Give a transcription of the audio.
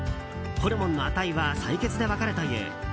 ホルモンの値は採血で分かるという。